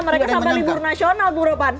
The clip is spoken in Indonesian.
mereka sampai libur nasional buro pan